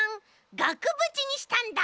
がくぶちにしたんだ！